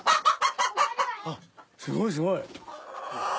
あっすごいすごい。